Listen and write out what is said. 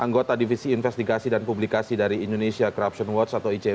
anggota divisi investigasi dan publikasi dari indonesia corruption watch atau icw